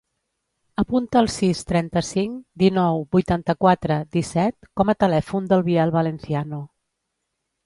Apunta el sis, trenta-cinc, dinou, vuitanta-quatre, disset com a telèfon del Biel Valenciano.